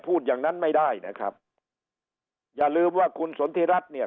พูดอย่างนั้นไม่ได้นะครับอย่าลืมว่าคุณสนทิรัฐเนี่ย